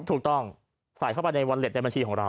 ถูกต้องใส่เข้าไปในวอลเล็ตในบัญชีของเรา